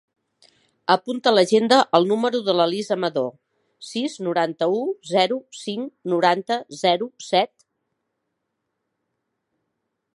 Apunta a l'agenda el número de la Lis Amador: sis, noranta-u, zero, cinc, noranta, zero, set.